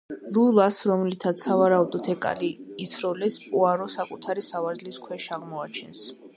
ლულას, რომლითაც სავარაუდოდ ეკალი ისროლეს, პუარო საკუთარი სავარძლის ქვეშ აღმოაჩენს.